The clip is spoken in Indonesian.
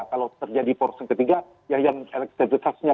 kalau terjadi poros yang ketiga ya yang elektabilitasnya perbeda